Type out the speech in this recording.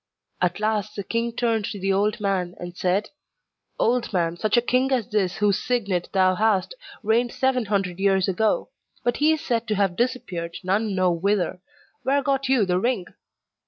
At last the king turned to the old man, and said: 'Old man, such a king as this whose signet thou hast, reigned seven hundred years ago; but he is said to have disappeared, none know whither; where got you the ring?